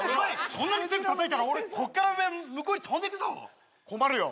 そんなに強くたたいたら俺こっから上向こうに飛んでくぞ困るよ